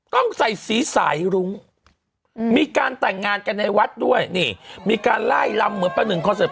ต้องใส่สีสายรุ้งมีการแต่งงานกันในวัดด้วยนี่มีการไล่ลำเหมือนประหนึ่งคอนเสิร์